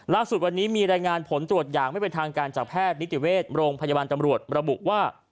ล่าสุดวันนี้มีรายงานผลตรวจอย่างไม่เป็นทางการจากแพทย์นิติเวชโรงพยาบาลตำรวจระบุว่า